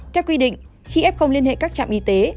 theo quy định khi f liên hệ các trạm y tế